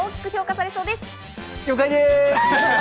了解です！